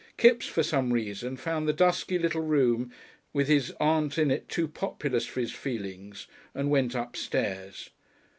Kipps for some reason found the dusky living room with his aunt in it too populous for his feelings, and went upstairs.